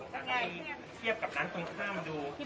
เชียบกับร้านตรงข้ามดู